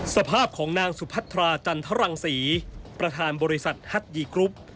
สภาพของนางสุพัทราจันทรังศรีประธานบริษัทฮัตยีกรุ๊ป